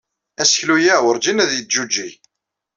Aseklu-a werǧin ad yeǧǧuǧǧeg.